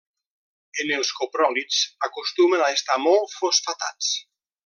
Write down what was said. En els copròlits acostumen a estar molt fosfatats.